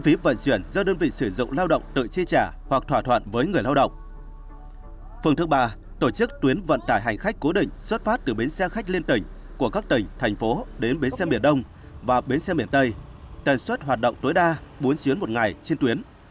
phương thức ba tổ chức tuyến vận tải hành khách cố định xuất phát từ bến xe khách liên tỉnh của các tỉnh thành phố đến bến xe miền đông và bến xe miền tây tần suất hoạt động tối đa bốn chuyến một ngày trên tuyến